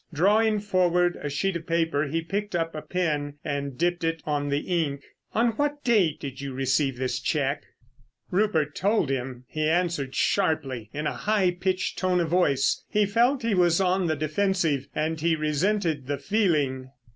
Drawing forward a sheet of paper he picked up a pen and dipped it in the ink. "On what date did you receive this cheque?" Rupert told him. He answered sharply in a high pitched tone of voice. He felt he was on the defensive, and he resented the feeling.